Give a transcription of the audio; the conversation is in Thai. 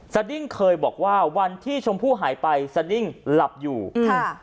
สดิ้งเคยบอกว่าวันที่ชมพู่หายไปสดิ้งหลับอยู่ค่ะ